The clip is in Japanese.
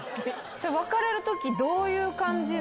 別れるときどういう感じの。